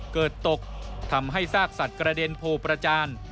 เกิดตกทำให้ซากสัตว์กระเด็นโพประจาน